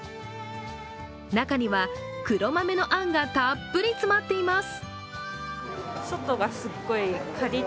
中には、黒豆のあんがたっぷり詰まっています。